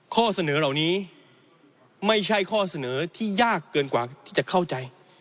ข้อเสนอเหล่านี้ไม่ใช่ข้อเสนอที่ยากเกินกว่าที่จะเข้าใจ